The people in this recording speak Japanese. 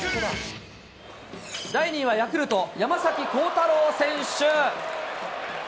第２位はヤクルト、山崎晃太朗選手。